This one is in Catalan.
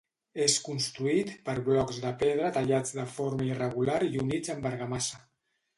És construït per blocs de pedra tallats de forma irregular i units amb argamassa.